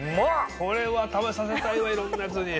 これは食べさせたいわいろんなやつに。